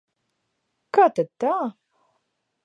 Kā tad tā?